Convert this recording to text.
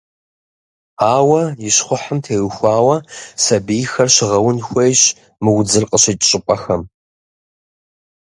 Ауэ, и щхъухьым теухуауэ сабийхэр щыгъэун хуейщ мы удзыр къыщыкӏ щӏыпӏэхэм.